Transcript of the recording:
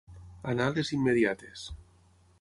Anar a les immediates.